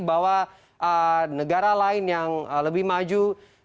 bahwa negara lain yang lebih maju